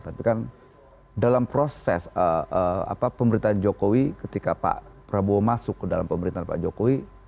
tapi kan dalam proses pemerintahan jokowi ketika pak prabowo masuk ke dalam pemerintahan pak jokowi